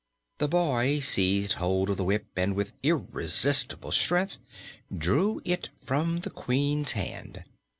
The boy seized hold of the whip and with irresistible strength drew it from the Queen's hand.